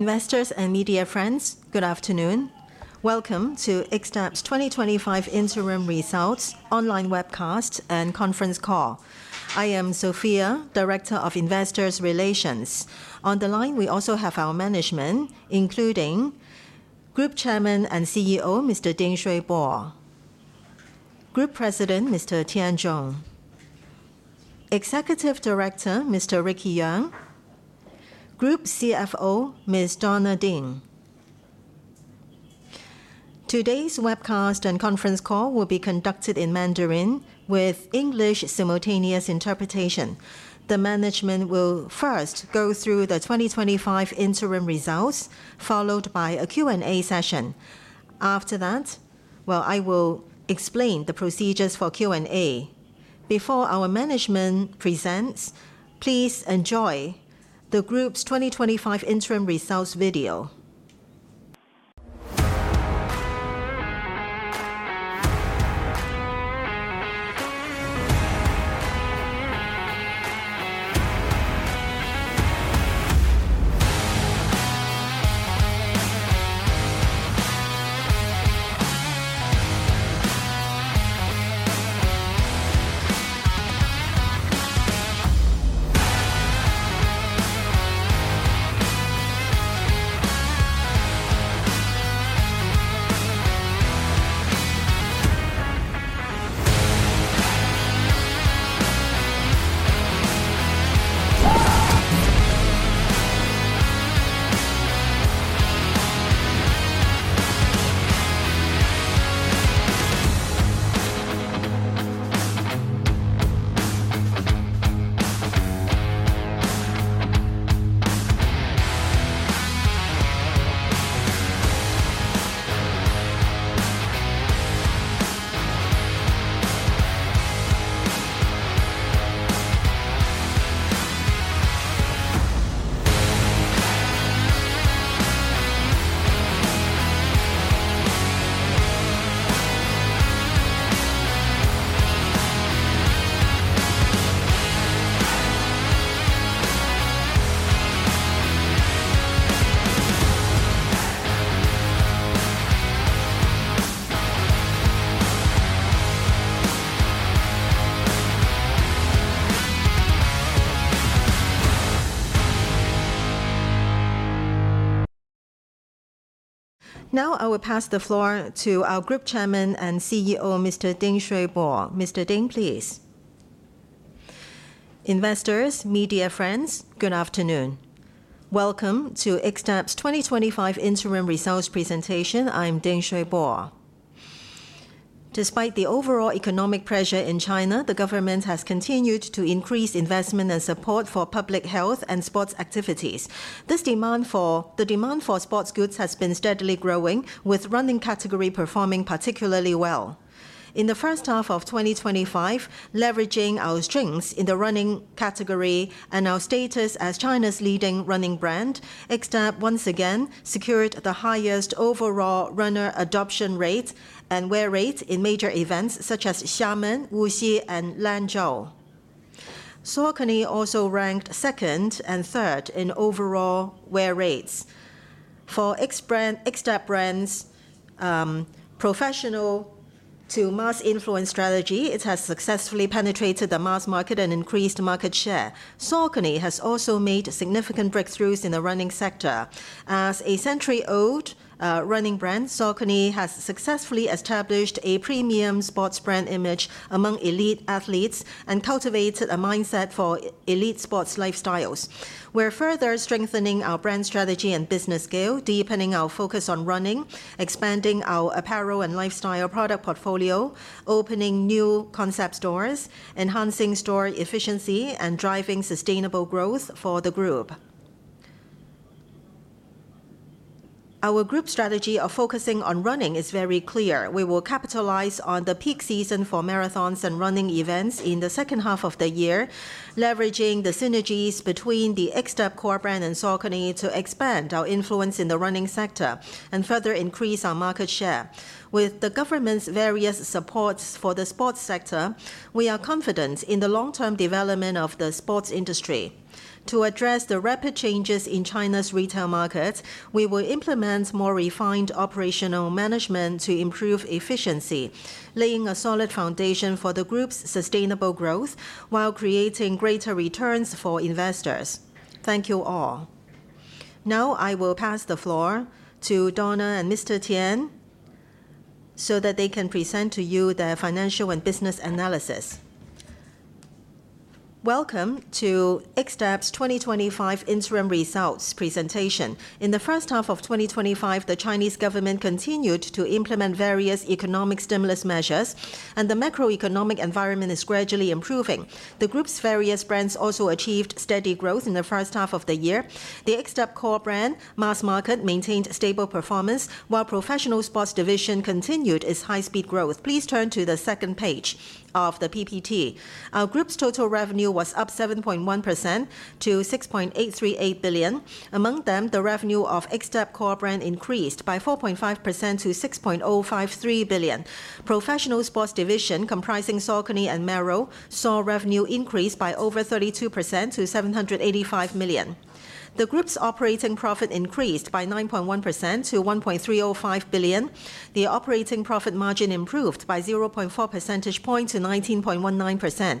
Investors and media friends, good afternoon. Welcome to Xtep's 2025 Interim Results Online Webcast and Conference Call. I am Sophia, Director of Investor Relations. On the line, we also have our management, including Group Chairman and CEO, Mr. Ding Shui Po, Group President, Mr. Tian Zhong, Executive Director, Mr. Ricky Yang, and Group CFO, Ms. Donna Ding. Today's webcast and conference call will be conducted in Mandarin with English simultaneous interpretation. The management will first go through the 2025 interim results, followed by a Q&A session. After that, I will explain the procedures for Q&A. Before our management presents, please enjoy the Group's 2025 interim results video. Now, I will pass the floor to our Group Chairman and CEO, Mr. Ding Shui Po. Mr. Ding, please. Investors, media friends, good afternoon. Welcome to Xtep's 2025 interim results presentation. I am Ding Shui-Po. Despite the overall economic pressure in China, the government has continued to increase investment and support for public health and sports activities. The demand for sports goods has been steadily growing, with the running category performing particularly well. In the first half of 2025, leveraging our strengths in the running category and our status as China's leading running brand, Xtep once again secured the highest overall runner adoption rate and wear rate in major events such as Xiamen, Wuxi, and Lanzhou. Saucony also ranked second and third in overall wear rates. For Xtep brand's professional to mass-influence strategy, it has successfully penetrated the mass market and increased market share. Saucony has also made significant breakthroughs in the running sector. As a century-old running brand, Saucony has successfully established a premium sports brand image among elite athletes and cultivated a mindset for elite sports lifestyles. We're further strengthening our brand strategy and business skill, deepening our focus on running, expanding our apparel and lifestyle product portfolio, opening new concept stores, enhancing store efficiency, and driving sustainable growth for the group. Our group strategy of focusing on running is very clear. We will capitalize on the peak season for marathons and running events in the second half of the year, leveraging the synergies between the Xtep core brand and Saucony to expand our influence in the running sector and further increase our market share. With the government's various supports for the sports sector, we are confident in the long-term development of the sports industry. To address the rapid changes in China's retail markets, we will implement more refined operational management to improve efficiency, laying a solid foundation for the group's sustainable growth while creating greater returns for investors. Thank you all. Now, I will pass the floor to Donna and Mr. Tian so that they can present to you their financial and business analysis. Welcome to Xtep's 2025 interim results presentation. In the first half of 2025, the Chinese government continued to implement various economic stimulus measures, and the macroeconomic environment is gradually improving. The group's various brands also achieved steady growth in the first half of the year. The Xtep core brand mass market maintained stable performance, while the professional sports division continued its high-speed growth. Please turn to the second page of the PPT. Our group's total revenue was up 7.1% to 6.838 billion. Among them, the revenue of Xtep core brand increased by 4.5% to 6.053 billion. The professional sports division, comprising Saucony and Merrell, saw revenue increase by over 32% to 785 million. The group's operating profit increased by 9.1% to 1.305 billion. The operating profit margin improved by 0.4 percentage points to 19.19%.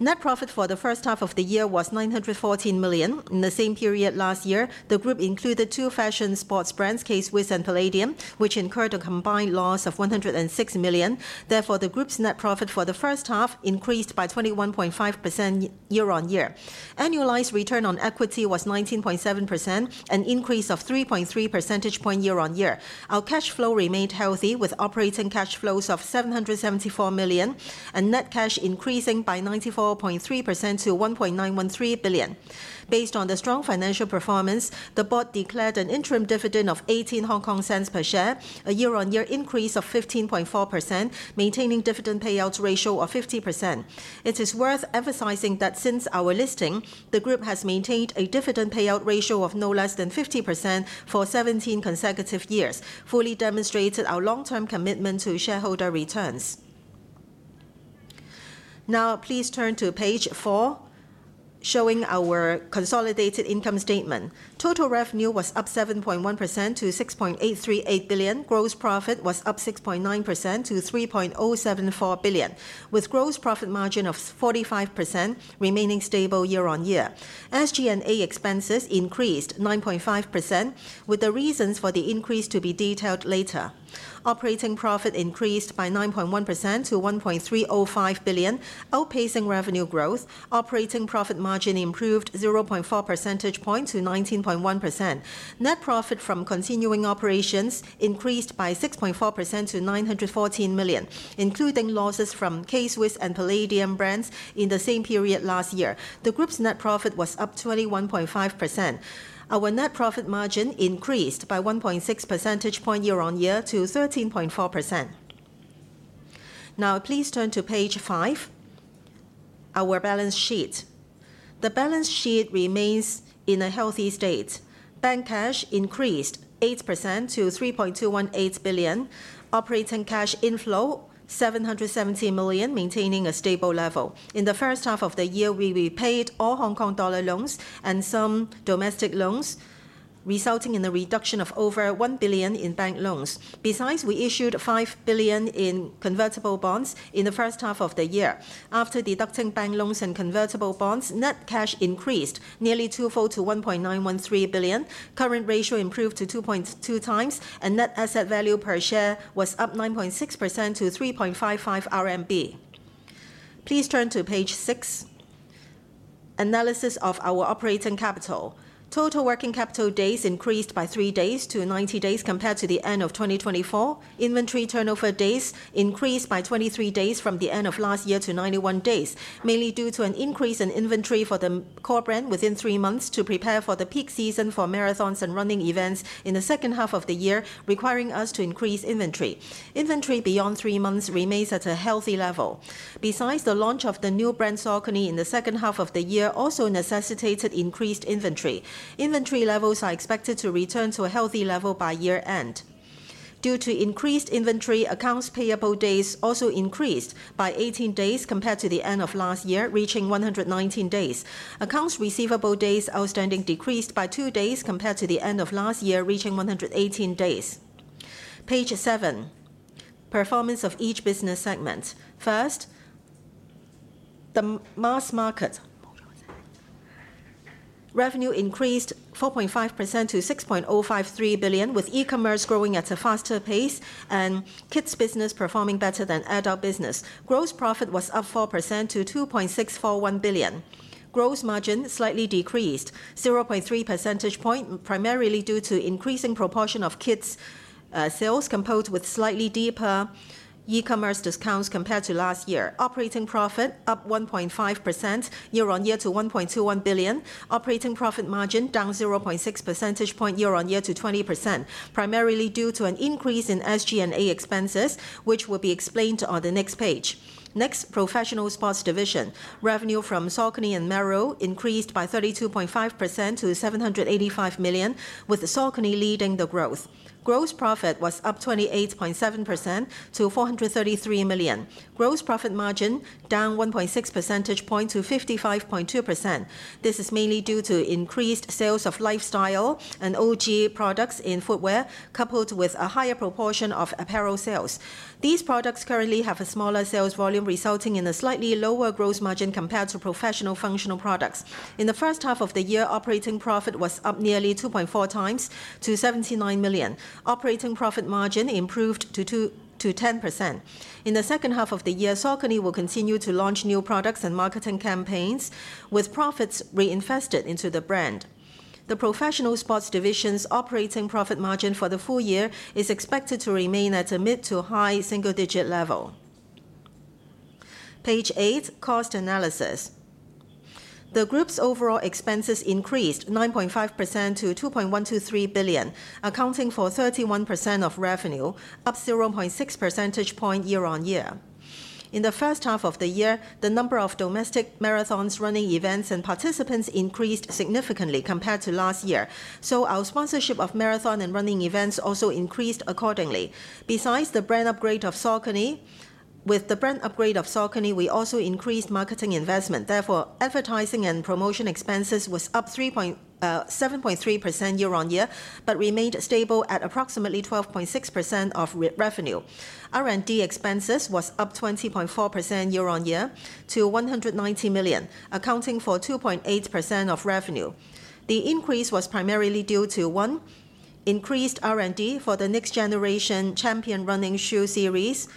Net profit for the first half of the year was 914 million. In the same period last year, the group included two fashion sports brands, K-Swiss and Palladium, which incurred a combined loss of 106 million. Therefore, the group's net profit for the first half increased by 21.5% year-on-year. Annualized return on equity was 19.7%, an increase of 3.3 percentage points year-on-year. Our cash flow remained healthy, with operating cash flows of 774 million and net cash increasing by 94.3% to 1.913 billion. Based on the strong financial performance, the board declared an interim dividend of 0.18 per share, a year-on-year increase of 15.4%, maintaining a dividend payout ratio of 50%. It is worth emphasizing that since our listing, the group has maintained a dividend payout ratio of no less than 50% for 17 consecutive years, fully demonstrating our long-term commitment to shareholder returns. Now, please turn to page 4, showing our consolidated income statement. Total revenue was up 7.1% to 6.838 billion. Gross profit was up 6.9% to 3.074 billion, with a gross profit margin of 45% remaining stable year-on-year. SG&A expenses increased 9.5%, with the reasons for the increase to be detailed later. Operating profit increased by 9.1% to 1.305 billion, outpacing revenue growth. Operating profit margin improved 0.4 percentage points to 19.1%. Net profit from continuing operations increased by 6.4% to 914 million, including losses from K-Swiss and Palladium brands in the same period last year. The group's net profit was up 21.5%. Our net profit margin increased by 1.6 percentage points year-on-year to 13.4%. Now, please turn to page 5, our balance sheet. The balance sheet remains in a healthy state. Bank cash increased 8% to 3.218 billion. Operating cash inflow was 770 million, maintaining a stable level. In the first half of the year, we repaid all HKD loans and some domestic loans, resulting in a reduction of over 1 billion in bank loans. Besides, we issued 5 billion in convertible bonds in the first half of the year. After deducting bank loans and convertible bonds, net cash increased nearly twofold to 1.913 billion. Current ratio improved to 2.2x, and net asset value per share was up 9.6% to 3.55 RMB. Please turn to page 6, analysis of our operating capital. Total working capital days increased by 3 days-90 days compared to the end of 2024. Inventory turnover days increased by 23 days from the end of last year to 91 days, mainly due to an increase in inventory for the Xtep core brand within three months to prepare for the peak season for marathons and running events in the second half of the year, requiring us to increase inventory. Inventory beyond three months remains at a healthy level. Besides, the launch of the new brand, Saucony, in the second half of the year also necessitated increased inventory. Inventory levels are expected to return to a healthy level by year-end. Due to increased inventory, accounts payable days also increased by 18 days compared to the end of last year, reaching 119 days. Accounts receivable days outstanding decreased by 2 days compared to the end of last year, reaching 118 days. Page 7, performance of each business segment. First, the mass market revenue increased 4.5% to 6.053 billion, with e-commerce growing at a faster pace and kids' business performing better than adult business. Gross profit was up 4% to 2.641 billion. Gross margin slightly decreased 0.3 percentage points, primarily due to an increasing proportion of kids' sales composed with slightly deeper e-commerce discounts compared to last year. Operating profit up 1.5% year-on-year to 1.21 billion. Operating profit margin down 0.6 percentage points year-on-year to 20%, primarily due to an increase in SG&A expenses, which will be explained on the next page. Next, professional sports division. Revenue from Saucony and Merrell increased by 32.5% to 785 million, with Saucony leading the growth. Gross profit was up 28.7% to 433 million. Gross profit margin down 1.6 percentage points to 55.2%. This is mainly due to increased sales of lifestyle and OG products in footwear, coupled with a higher proportion of apparel sales. These products currently have a smaller sales volume, resulting in a slightly lower gross margin compared to professional functional products. In the first half of the year, operating profit was up nearly 2.4x to 79 million. Operating profit margin improved to 10%. In the second half of the year, Saucony will continue to launch new products and marketing campaigns, with profits reinvested into the brand. The professional sports division's operating profit margin for the full year is expected to remain at a mid to high single-digit level. Page 8, cost analysis. The group's overall expenses increased 9.5% to 2.123 billion, accounting for 31% of revenue, up 0.6 percentage points year-on-year. In the first half of the year, the number of domestic marathons, running events, and participants increased significantly compared to last year. Our sponsorship of marathons and running events also increased accordingly. Besides, the brand upgrade of Saucony, we also increased marketing investment. Therefore, advertising and promotion expenses were up 7.3% year-on-year, but remained stable at approximately 12.6% of revenue. R&D expenses were up 20.4% year-on-year to 190 million, accounting for 2.8% of revenue. The increase was primarily due to: 1. Increased R&D for the next-generation Champion running shoe series,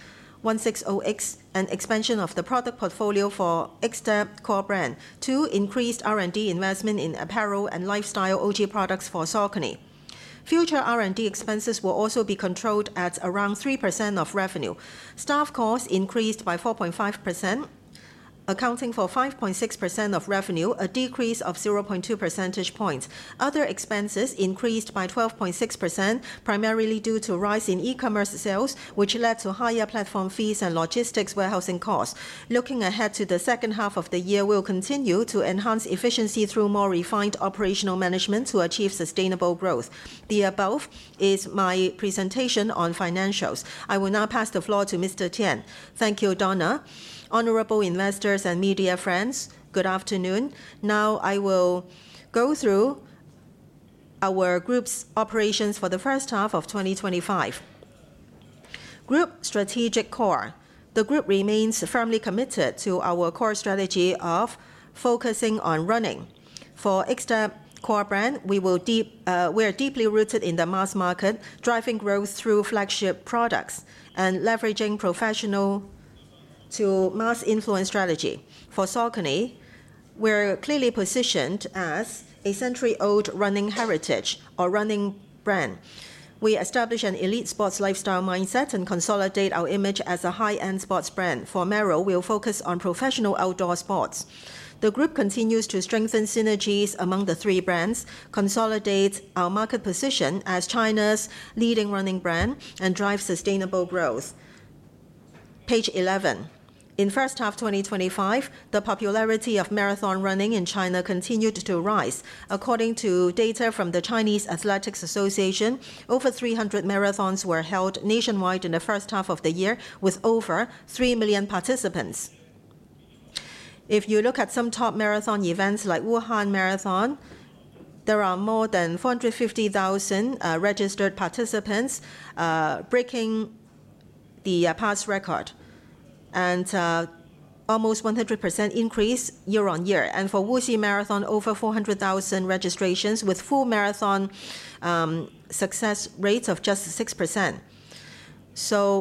160X, and expansion of the product portfolio for Xtep core brand. 2. Increased R&D investment in apparel and lifestyle OG products for Saucony. Future R&D expenses will also be controlled at around 3% of revenue. Staff costs increased by 4.5%, accounting for 5.6% of revenue, a decrease of 0.2 percentage points. Other expenses increased by 12.6%, primarily due to a rise in e-commerce sales, which led to higher platform fees and logistics warehousing costs. Looking ahead to the second half of the year, we will continue to enhance efficiency through more refined operational management to achieve sustainable growth. The above is my presentation on financials. I will now pass the floor to Mr. Tian. Thank you, Donna. Honorable investors and media friends, good afternoon. Now, I will go through our group's operations for the first half of 2025. Group strategic core. The group remains firmly committed to our core strategy of focusing on running. For Xtep core brand, we are deeply rooted in the mass market, driving growth through flagship products and leveraging professional to mass-influence strategy. For Saucony, we are clearly positioned as a century-old running heritage or running brand. We establish an elite sports lifestyle mindset and consolidate our image as a high-end sports brand. For Merrell, we will focus on professional outdoor sports. The group continues to strengthen synergies among the three brands, consolidate our market position as China's leading running brand, and drive sustainable growth. Page 11. In the first half of 2025, the popularity of marathon running in China continued to rise. According to data from the Chinese Athletics Association, over 300 marathons were held nationwide in the first half of the year, with over 3 million participants. If you look at some top marathon events like Wuhan Marathon, there are more than 450,000 registered participants, breaking the past record, and an almost 100% increase year-on-year. For Wuxi Marathon, over 400,000 registrations, with a full marathon success rate of just 6%.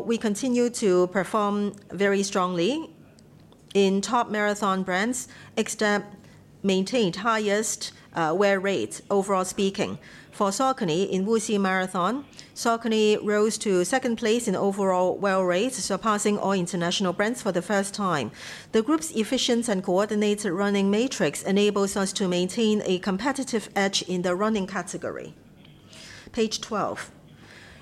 We continue to perform very strongly. In top marathon brands, Xtep maintained the highest wear rates, overall speaking. For Saucony in Wuxi Marathon, Saucony rose to second place in overall wear rates, surpassing all international brands for the first time. The group's efficient and coordinated running matrix enables us to maintain a competitive edge in the running category. Page 12.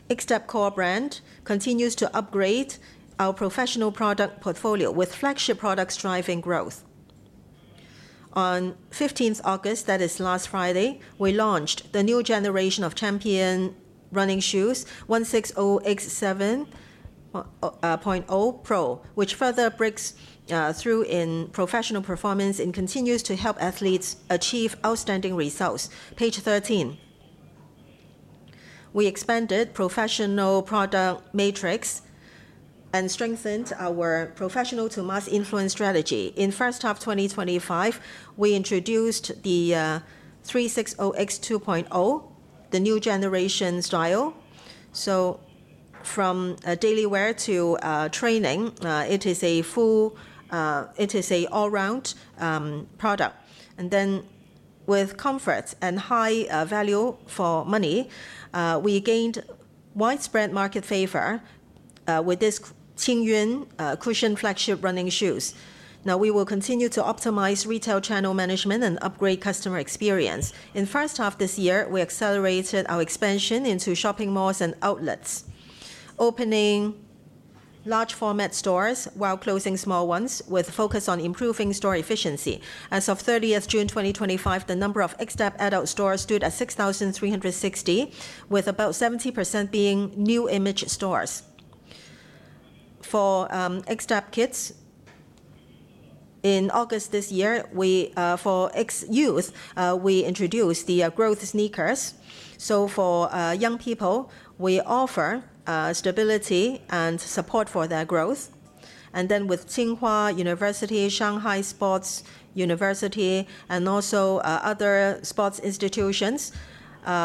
Xtep core brand continues to upgrade our professional product portfolio with flagship products driving growth. On 15th August, that is last Friday, we launched the new generation of Champion running shoes, 160X 7.0 Pro, which further breaks through in professional performance and continues to help athletes achieve outstanding results. Page 13. We expanded the professional product matrix and strengthened our professional to mass-influence strategy. In the first half of 2025, we introduced the 360X 2.0, the new generation style. From daily wear to training, it is an all-round product. With comfort and high value for money, we gained widespread market favor with these Qingyun cushion flagship running shoes. We will continue to optimize retail channel management and upgrade customer experience. In the first half of this year, we accelerated our expansion into shopping malls and outlets, opening large-format stores while closing small ones, with a focus on improving store efficiency. As of June 30, 2025, the number of Xtep adult stores stood at 6,360, with about 70% being new image stores. For Xtep kids, in August this year, for youth, we introduced the Growth Sneakers. For young people, we offer stability and support for their growth. With Tsinghua University, Shanghai Sports University, and also other sports institutions,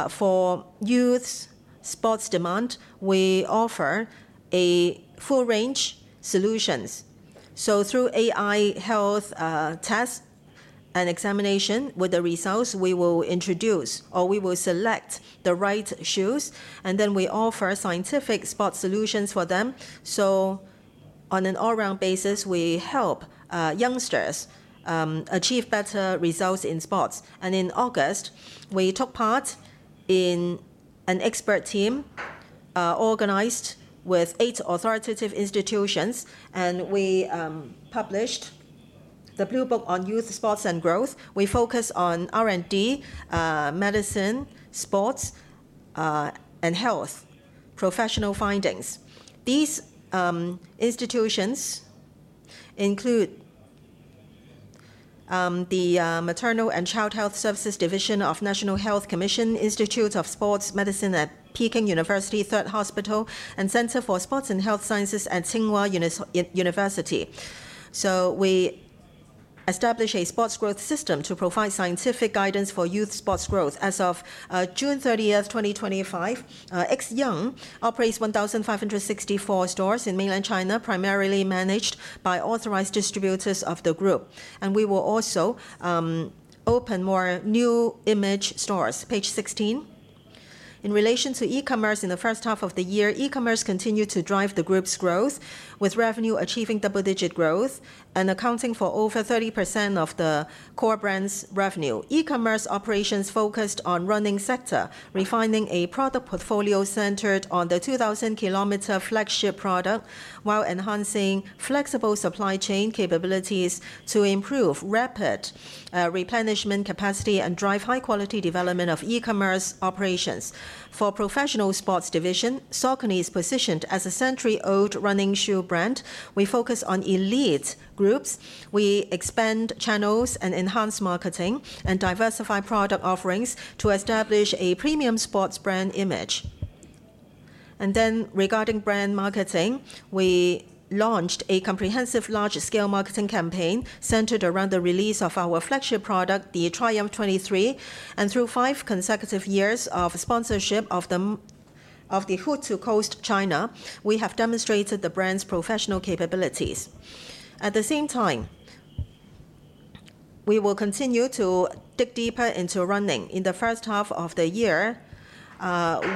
for youth's sports demand, we offer a full range of solutions. Through AI health tests and examination, with the results, we will introduce or we will select the right shoes, and we offer scientific sports solutions for them. On an all-round basis, we help youngsters achieve better results in sports. In August, we took part in an expert team organized with eight authoritative institutions, and we published the Blue Book on Youth Sports and Growth. We focus on R&D, medicine, sports, and health professional findings. These institutions include the Maternal and Child Health Services Division of the National Health Commission, Institutes of Sports Medicine at Peking University, Third Hospital, and the Center for Sports and Health Sciences at Tsinghua University. We established a sports growth system to provide scientific guidance for youth sports growth. As of June 30, 2025, XYoung operates 1,564 stores in mainland China, primarily managed by authorized distributors of the group. We will also open more new image stores. Page 16. In relation to e-commerce, in the first half of the year, e-commerce continued to drive the group's growth, with revenue achieving double-digit growth and accounting for over 30% of the core brand's revenue. E-commerce operations focused on the running sector, refining a product portfolio centered on the 2,000 km flagship product while enhancing flexible supply chain capabilities to improve rapid replenishment capacity and drive high-quality development of e-commerce operations. For the professional sports division, Saucony is positioned as a century-old running shoe brand. We focus on elite groups. We expand channels and enhance marketing and diversify product offerings to establish a premium sports brand image. Regarding brand marketing, we launched a comprehensive large-scale marketing campaign centered around the release of our flagship product, the Triumph 23. Through five consecutive years of sponsorship of the Hutu Coast China, we have demonstrated the brand's professional capabilities. At the same time, we will continue to dig deeper into running. In the first half of the year,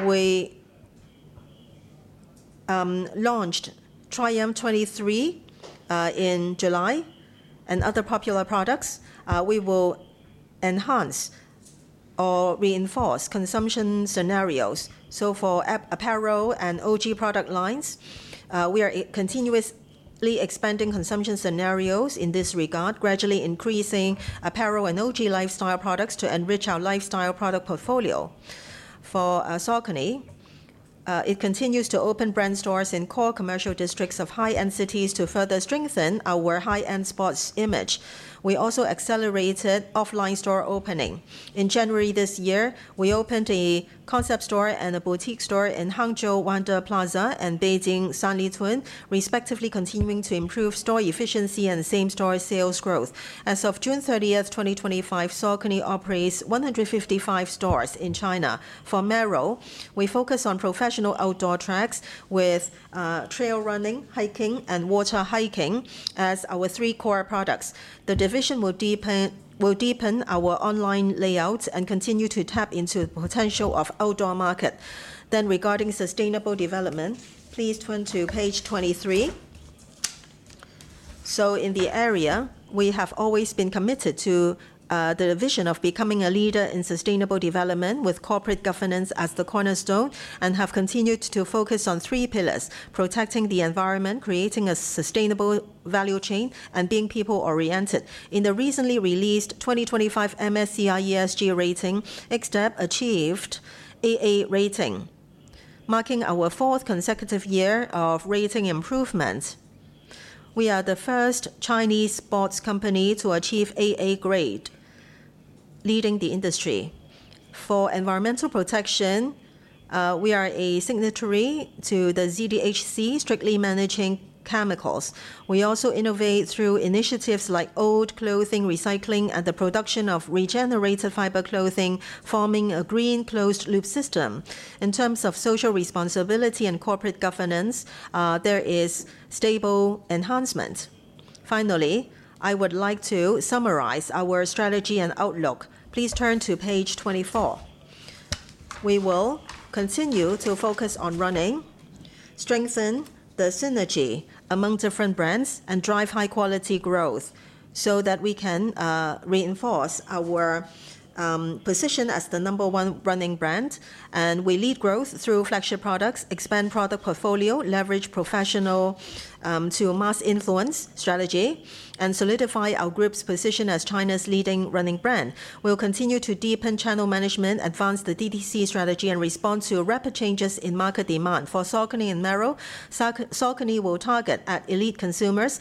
we launched Triumph 23 in July and other popular products. We will enhance or reinforce consumption scenarios. For apparel and OG product lines, we are continuously expanding consumption scenarios in this regard, gradually increasing apparel and OG lifestyle products to enrich our lifestyle product portfolio. For Saucony, it continues to open brand stores in core commercial districts of high-end cities to further strengthen our high-end sports image. We also accelerated offline store opening. In January this year, we opened a concept store and a boutique store in Hangzhou Wanda Plaza and Beijing Sanlitun, respectively, continuing to improve store efficiency and same-store sales growth. As of June 30, 2025, Saucony operates 155 stores in China. For Merrell, we focus on professional outdoor tracks, with trail running, hiking, and water hiking as our three core products. The division will deepen our online layouts and continue to tap into the potential of the outdoor market. Regarding sustainable development, please turn to page 23. In the area, we have always been committed to the vision of becoming a leader in sustainable development, with corporate governance as the cornerstone, and have continued to focus on three pillars: protecting the environment, creating a sustainable value chain, and being people-oriented. In the recently released 2025 MSCI ESG rating, Xtep achieved AA rating, marking our fourth consecutive year of rating improvement. We are the first Chinese sports company to achieve AA grade, leading the industry. For environmental protection, we are a signatory to the ZDHC, strictly managing chemicals. We also innovate through initiatives like old clothing recycling and the production of regenerative fiber clothing, forming a green closed-loop system. In terms of social responsibility and corporate governance, there is stable enhancement. Finally, I would like to summarize our strategy and outlook. Please turn to page 24. We will continue to focus on running, strengthen the synergy among different brands, and drive high-quality growth so that we can reinforce our position as the number one running brand. We lead growth through flagship products, expand product portfolio, leverage professional to mass-influence strategy, and solidify our group's position as China's leading running brand. We will continue to deepen channel management, advance the DTC strategy, and respond to rapid changes in market demand. For Saucony and Merrell, Saucony will target at elite consumers,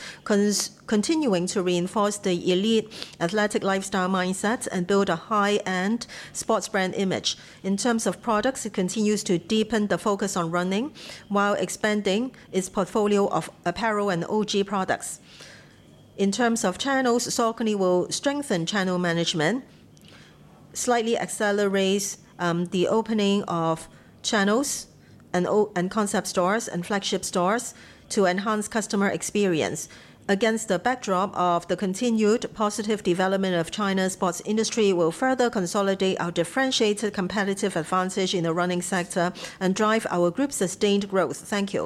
continuing to reinforce the elite athletic lifestyle mindset and build a high-end sports brand image. In terms of products, it continues to deepen the focus on running while expanding its portfolio of apparel and OG products. In terms of channels, Saucony will strengthen channel management, slightly accelerate the opening of channels and concept stores and flagship stores to enhance customer experience. Against the backdrop of the continued positive development of China's sports industry, we will further consolidate our differentiated competitive advantage in the running sector and drive our group's sustained growth. Thank you.